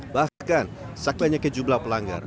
bahkan sekelanya kejumlah pelanggar